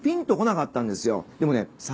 でもね。